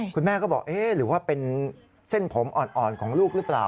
คุณแม่ก็บอกเอ๊ะหรือว่าเป็นเส้นผมอ่อนของลูกหรือเปล่า